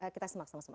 kita semak sama sama